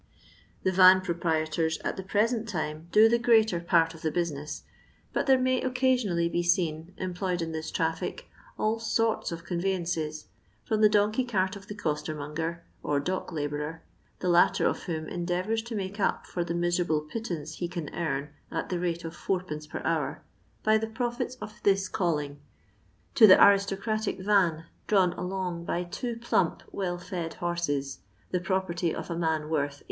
The van proprietors at the present time do the greater part of the business, but there may occasionally be seen, employed in this traffic, all soru of conveyances, from the donkey cart of the costermonger, or dock labourer, the Utter of whom endeavours to make up for the miserable pittance he can earn at the rate of fourpence per hour, by the profits of this calling, to the aristocratic van, drawn along by two plump, well fed horses, the property of a man worth 800